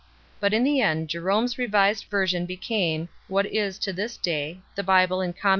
But in the end Jerome s revised version became, what it is to this day, the Bible in common 1 Epist.